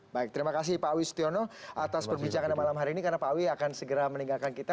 baik terima kasih pak awief setiono atas perbicaraan malam hari ini karena pak awief akan segera meninggalkan kita